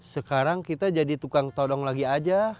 sekarang kita jadi tukang todong lagi aja